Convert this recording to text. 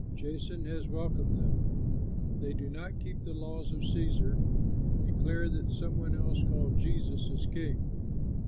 Jason has welcomed them. They do not keep the laws of Cæsar and declare that some one else called Jesus is king."